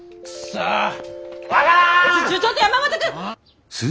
ちょちょっと山本君！